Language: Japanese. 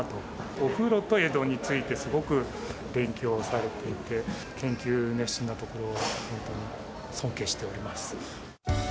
お風呂と江戸について、すごく勉強されていて、研究熱心なところは本当に尊敬しております。